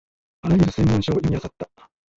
あらゆる専門書を読みあさった